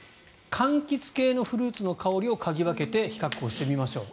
柑橘系のフルーツの香りを嗅ぎ分けて比較をしてみましょう。